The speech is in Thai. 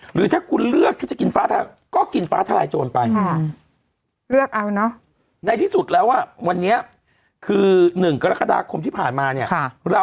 หรือถ้าคุณเลือกที่จะกินฟ้าทะลายโจร